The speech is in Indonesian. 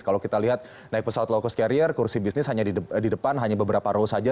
kalau kita lihat naik pesawat low cost carrier kursi bisnis hanya di depan hanya beberapa role saja